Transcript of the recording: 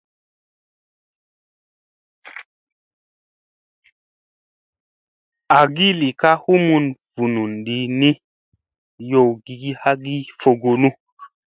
Agi li ka humun vunun di ni yowgi hagi fogonu.